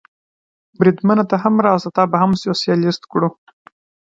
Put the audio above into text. بریدمنه، ته هم راشه، تا به هم سوسیالیست کړو.